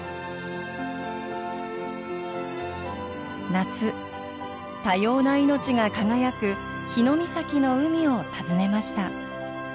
夏多様な命が輝く日御碕の海を訪ねました。